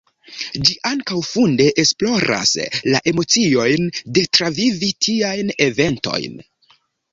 Ĝi ankaŭ funde esploras la emociojn de travivi tiajn eventojn.